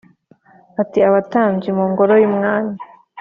ni Abatambyi mu ngoro y’umwami.